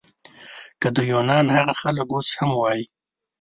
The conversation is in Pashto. که د یونان هغه خلک اوس هم وای.